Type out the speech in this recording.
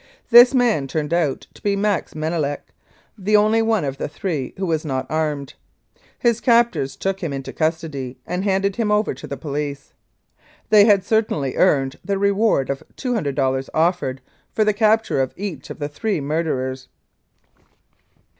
This man turned out to be Max Manelek, the only one of the three who was not armed. His captors took him into custody and handed him over to the police. They had certainly earned the reward of $200 offered for the capture of each of the three murderers.